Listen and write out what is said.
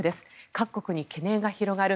各国に懸念が広がる